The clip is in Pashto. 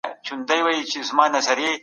اقتصاد پوهانو د پرمختګ ټول اړخونه ارزولي وو.